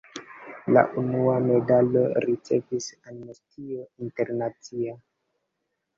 La unuan medalon ricevis Amnestio Internacia.